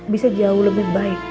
bisa jauh lebih baik